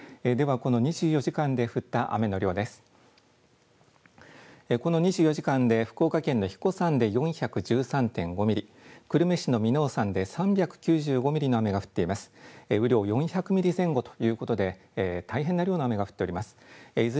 この２４時間で福岡県の英彦山で４１３．５ミリ、久留米市の耳納山で３９５ミリの雨が降っています。